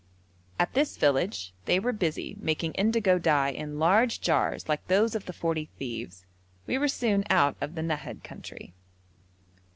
At this village they were busy making indigo dye in large jars like those of the forty thieves. We were soon out of the Nahad country.